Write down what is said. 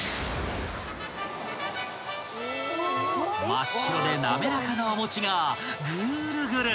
［真っ白で滑らかなお餅がぐーるぐる］